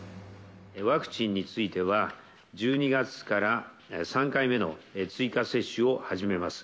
ワクチンについては、１２月から３回目の追加接種を始めます。